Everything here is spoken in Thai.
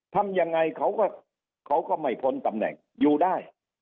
ทำยังไงเขาก็เขาก็ไม่พ้นตำแหน่งอยู่ได้